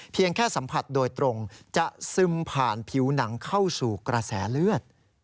แค่สัมผัสโดยตรงจะซึมผ่านผิวหนังเข้าสู่กระแสเลือด